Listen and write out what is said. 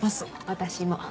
私も。